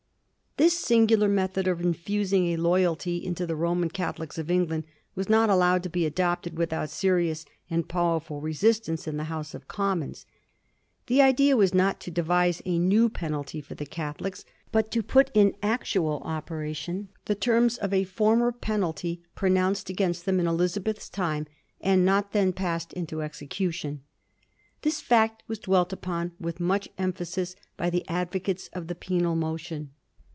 This singular method of infusing loyalty into the Roman Catholics of England was not allowed to be adopted without serious and powerful resistance in the House of Commons. The idea was not to devise a new penalty for the Catholics, but to put in actual Digiti zed by Google 284 A HISTORY OF THE FOUR GEORGES, ch. xm. operation the terms of a former penalty pronounced against them in Elizabeth's time, and not then pressed into execution. This fact was dwelt upon with much emphasis by the advocates of the penal motion.